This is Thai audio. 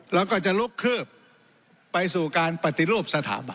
แล้วก็จะลุกคืบไปสู่การปฏิรูปสถาบัน